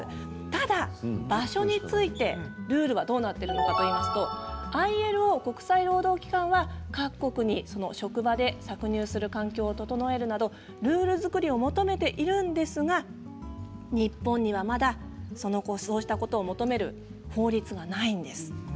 ただ場所についてルールはどうなっているのかといいますとＩＬＯ国際労働機関は各国に職場で搾乳する環境を整えるなどルール作りを求めているんですが日本には、まだそうしたことを求める法律がないんです。